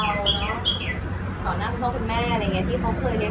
ฟ้าม้าดูแลผู้ใหม่ยังไงเราก็ต้องดูแลให้ทีมซิ่งขึ้นไป